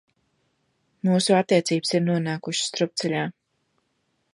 Mūsu attiecības ir nonākušas strupceļā!